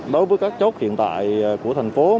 đối với các chốt hiện tại của thành phố đà nẵng